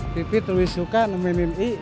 pipit lebih suka nemenin is